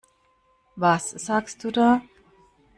Was sagst du da?